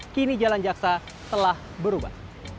kini jalan jaksa telah berubah